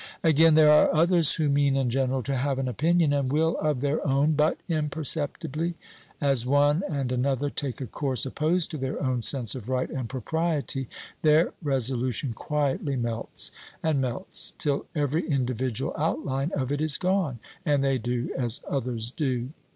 Again, there are others who mean in general to have an opinion and will of their own; but, imperceptibly, as one and another take a course opposed to their own sense of right and propriety, their resolution quietly melts, and melts, till every individual outline of it is gone, and they do as others do.